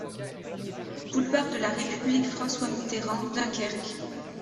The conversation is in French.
Boulevard de la République - François Mitterrand, Dunkerque